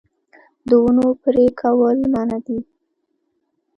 د ونو پرې کول منع دي